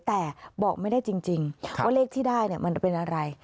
แต่บอกไม่ได้จริงว่าเลขที่ได้มันเป็นอะไร